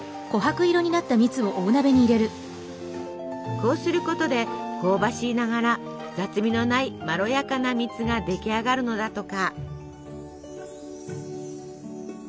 こうすることで香ばしいながら雑味のないまろやかな蜜が出来上がるのだとか。